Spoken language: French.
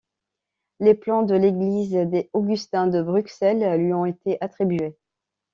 Les plans de l’église des Augustins de Bruxelles lui ont été attribués.